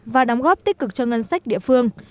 và đóng góp tích cực cho ngân sách địa phương